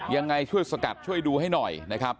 ยังไงช่วยสกัดช่วยดูให้หน่อยนะครับ